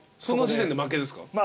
その時点で負けですか？